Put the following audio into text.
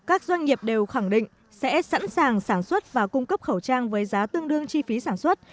các doanh nghiệp đều khẳng định sẽ sẵn sàng sản xuất và cung cấp khẩu trang với giá tương đương chi phí sản xuất